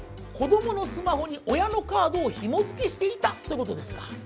子どものスマホに親のカードをひもづけしていたということですか。